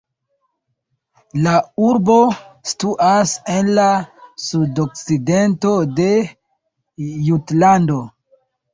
La urbo situas en la sudokcidento de Jutlando.